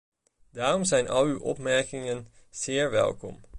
Daarom zijn al uw opmerkingen zeer welkom.